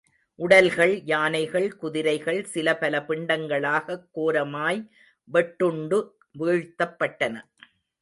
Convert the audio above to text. உடல்கள், யானைகள், குதிரைகள் சிலபல பிண்டங்களாகக் கோரமாய் வெட்டுண்டு வீழ்த்தப்பட்டன.